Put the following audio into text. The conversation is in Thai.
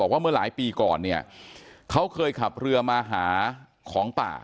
ว่าเมื่อหลายปีก่อนเนี่ยเขาเคยขับเรือมาหาของป่า